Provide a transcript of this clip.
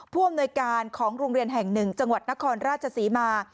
ผู้อำนวยการของโรงเรียนแห่งหนึ่งจังหวัดนครราชศรีมา